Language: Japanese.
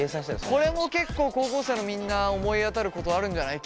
これも結構高校生のみんな思い当たることあるんじゃない。